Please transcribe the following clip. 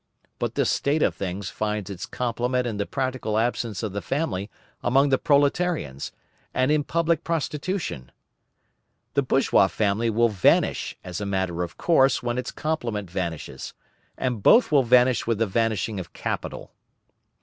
But this state of things finds its complement in the practical absence of the family among the proletarians, and in public prostitution. The bourgeois family will vanish as a matter of course when its complement vanishes, and both will vanish with the vanishing of capital.